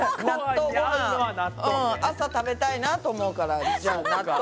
朝食べたいなと思うから納豆。